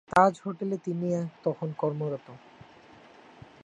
তাজ হোটেলে তিনি তখন কর্মরত।